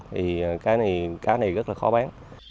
thì cá này rất là khó bán